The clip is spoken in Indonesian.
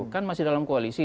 kan masih dalam koalisi